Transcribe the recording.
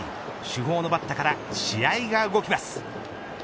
主砲のバットから試合が動きます。